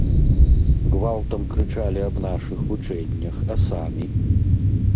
Гвалтам крычалі аб нашых вучэннях, а самі?